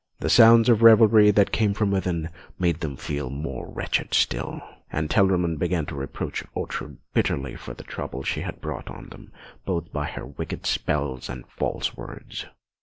The sounds of revelry that came from within made them feel more wretched still, and Telramund began to reproach Ortrud bitterly for the trouble she had brought on them both by her wicked spells and false words.